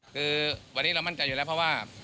คือวันนี้เรามั่นใจอยู่แล้วเพราะว่า